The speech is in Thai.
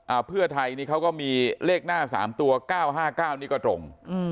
อ่าเพื่อไทยนี่เขาก็มีเลขหน้า๓ตัว๙๕๙นี่ก็ตรง